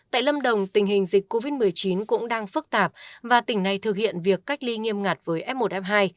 tại lâm đồng tình hình dịch covid một mươi chín cũng đang phức tạp và tỉnh này thực hiện việc cách ly nghiêm ngặt với f một f hai